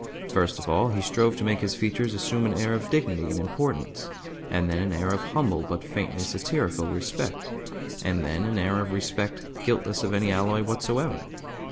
First of all he strove to make his features assume an air of dignity and importance, and then an air of humble, but faintly satirical, respect, and then an air of respect guiltless of any alloy whatsoever.